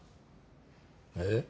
えっ？